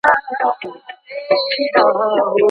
که د ښاروالۍ کارکوونکي شفافیت ولري، نو فساد نه رامنځته کیږي.